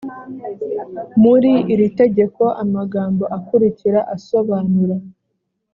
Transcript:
muri iri tegeko amagambo akurikira asobanura